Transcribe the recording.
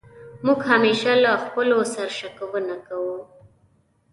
موږ همېشه له خپلو سر شکونه کوو.